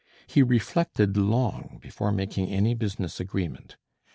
He reflected long before making any business agreement.